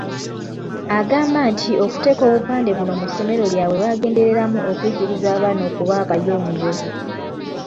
Agamba nti okuteeka obupande buno mu ssomero lyabwe baagendereramu okuyigiriza abaana okuba abayonjo.